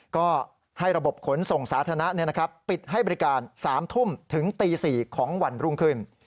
ก็ให้ระบบขนส่งสาธารณะปิดให้บริการ๓ทุ่มถึงตี๔ของวันรุ่งขึ้น